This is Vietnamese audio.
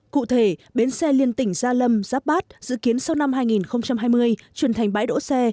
cụ thể bến xe liên tỉnh gia lâm giáp bát dự kiến sau năm hai nghìn hai mươi chuyển thành bãi đỗ xe